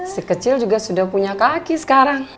si kecil juga sudah punya kaki sekarang